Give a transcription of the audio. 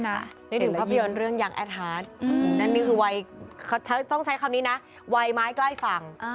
นึกถึงภาพยนตร์เรื่องยังแอดฮาร์ดนั่นนี่คือวัยต้องใช้คำนี้นะวัยไม้ใกล้ฝั่ง